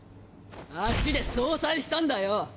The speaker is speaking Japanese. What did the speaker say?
脚で相殺したんだよ！